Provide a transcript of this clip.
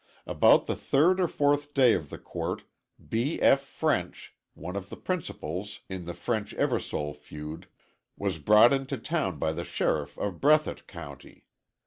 About the third or fourth day of the court, B. F. French, one of the principals in the French Eversole feud, was brought into town by the sheriff of Breathitt County.